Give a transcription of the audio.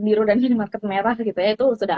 biru dan minimarket merah itu sudah